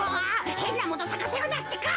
へんなものさかせるなってか！